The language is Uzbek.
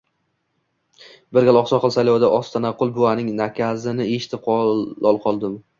Bir gal oqsoqol saylovida Ostonaqul buvaning nakazini eshitib lol qoldim